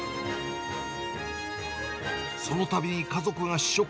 そのたびに家族が試食。